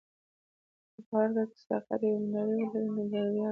که په هر کار کې صداقت او ایمانداري ولرې، نو بریا به ضرور وي.